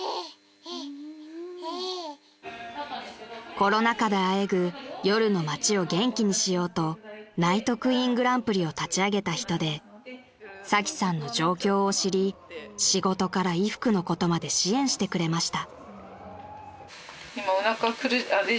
［コロナ禍であえぐ夜の街を元気にしようとＮＩＧＨＴＱＵＥＥＮグランプリを立ち上げた人でサキさんの状況を知り仕事から衣服のことまで支援してくれました］